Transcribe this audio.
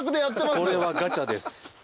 これはガチャです。